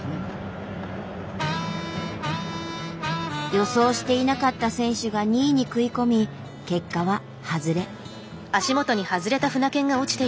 予想していなかった選手が２位に食い込み結果はハズレ。